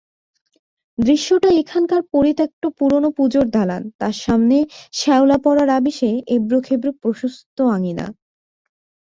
দৃশ্যটা এইখানকার পরিত্যক্ত পুরোনো পুজোর দালান, তার সামনে শেওলা-পড়া রাবিশে এবড়োখেবড়ো প্রশস্ত আঙিনা।